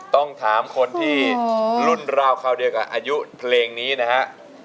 ต้องถามคนที่รุ่นราวคราวเดียวกับอายุเพลงนี้นะฮะ